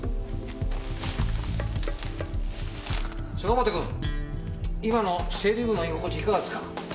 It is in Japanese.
曽ヶ端くん今の整理部の居心地いかがですか？